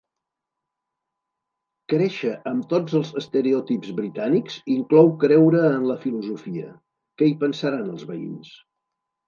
Créixer amb tots els estereotips britànics inclou creure en la filosofia: Què hi pensaran els veïns?